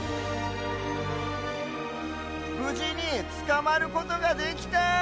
ぶじにつかまることができた。